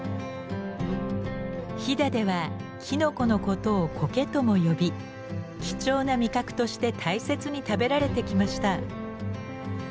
飛騨ではきのこのことを「こけ」とも呼び貴重な味覚として大切に食べられてきました。